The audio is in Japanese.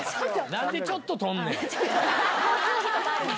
なんで、ちょっととんねん。